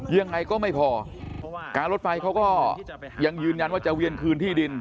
ยังไงก็ไม่พอการรถไฟเขาก็ยังยืนยันว่าจะเวียนคืนที่ดิน